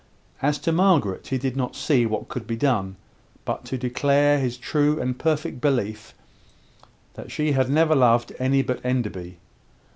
As to Margaret, he did not see what could be done, but to declare his true and perfect belief that she had never loved any but Enderby.